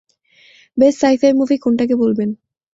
Best sci-fi movie কোনটাকে বলবেন?